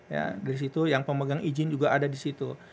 ya dari situ yang pemegang izin juga ada di situ